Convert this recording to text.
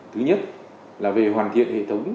thứ nhất là về hoàn thiện hệ thống